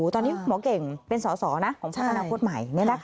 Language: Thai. ตอนนี้หมอเก่งเป็นสอสอของพักอนาคตใหม่